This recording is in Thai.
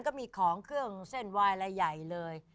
ก็มีของเครื่องเส้นวายอะไรใหญ่เลย